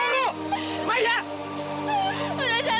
udah saya lupa dia mau bunuh diri aja